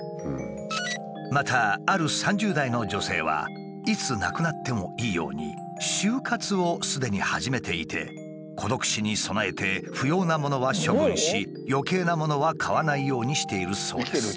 またある３０代の女性はいつ亡くなってもいいように終活をすでに始めていて孤独死に備えて不要なものは処分しよけいなものは買わないようにしているそうです。